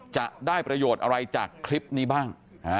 จะได้ประโยชน์อะไรจากคลิปนี้บ้าง